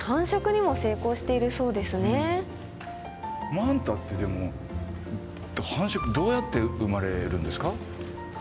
マンタってでも繁殖どうやって生まれるんですか？